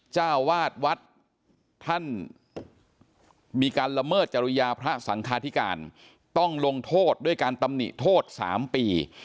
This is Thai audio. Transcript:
เจ้าวาดวัดท่านมีการละเมิดจริยาพระสังคาธิการต้องลงโทษด้วยการตำหนิโทษ๓ปี